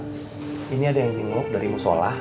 ma ini ada yang ngeluk dari musholah